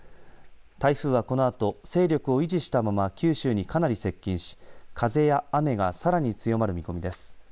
台風はこのあと勢力を維持したまま九州にかなり接近し風や雨がさらに強まる見込みです。